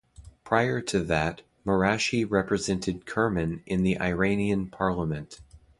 Prior to that, Marashi represented Kerman in the Iranian parliament.